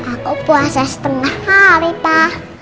aku puasa setengah hari pa